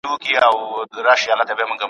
په سل ګونو یې وه کړي سفرونه ,